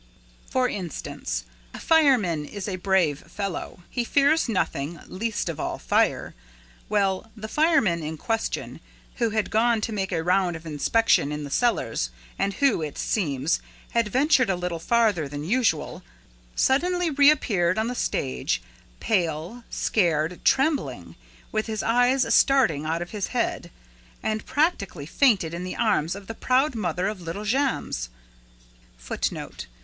For instance, a fireman is a brave fellow! He fears nothing, least of all fire! Well, the fireman in question, who had gone to make a round of inspection in the cellars and who, it seems, had ventured a little farther than usual, suddenly reappeared on the stage, pale, scared, trembling, with his eyes starting out of his head, and practically fainted in the arms of the proud mother of little Jammes.